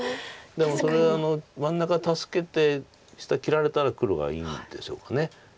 でもそれ真ん中助けて下切られたら黒がいいんでしょうかね。